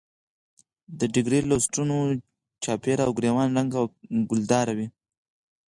د ډیګرې لستوڼو چاپېره او ګرېوان رنګه او ګلدار وي.